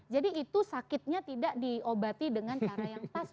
jadi itu sakitnya tidak diobati dengan cara yang pas